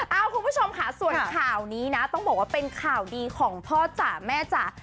คุณผู้ชมค่ะส่วนข่าวนี้นะต้องบอกว่าเป็นข่าวดีของพ่อจ๋าแม่จ๋า